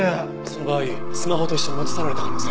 その場合スマホと一緒に持ち去られた可能性も。